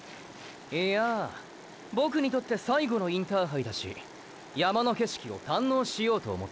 いやぁボクにとって最後のインターハイだし山の景色を堪能しようと思ってね。